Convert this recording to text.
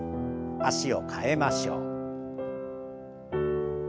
脚を替えましょう。